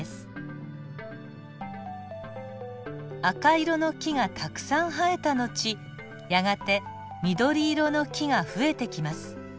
赤色の木がたくさん生えた後やがて緑色の木が増えてきます。